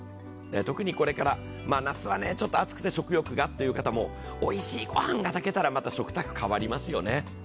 特にこれから、夏はちょっと暑くて食欲がという方もおいしい御飯が炊けたら、また食卓変わりますよね。